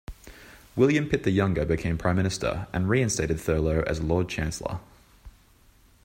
William Pitt the Younger became Prime Minister and reinstated Thurlow as Lord Chancellor.